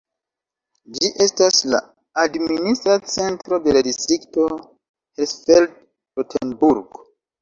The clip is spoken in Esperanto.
Ĝi estas la administra centro de la distrikto Hersfeld-Rotenburg.